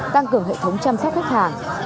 tăng cường hệ thống chăm sóc khách hàng